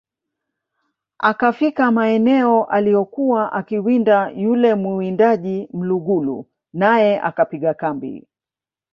akafika maeneo aliyokuwa akiwinda yule muwindaji Mlugulu nae akapiga kambi